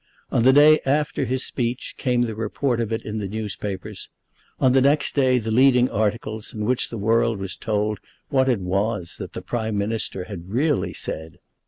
On the day after his speech came the report of it in the newspapers; on the next day the leading articles, in which the world was told what it was that the Prime Minister had really said.